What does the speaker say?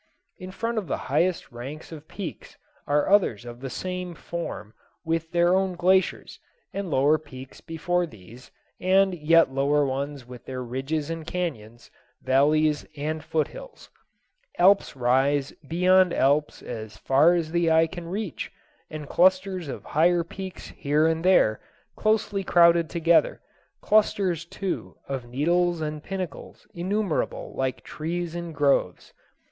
In front of the highest ranks of peaks are others of the same form with their own glaciers, and lower peaks before these, and yet lower ones with their ridges and cañons, valleys and foothills. Alps rise beyond alps as far as the eye can reach, and clusters of higher peaks here and there closely crowded together; clusters, too, of needles and pinnacles innumerable like trees in groves.